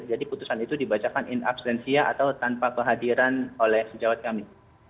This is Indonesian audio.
jadi putusan itu dibacakan in absentia atau tanpa kehadiran oleh sejawat kami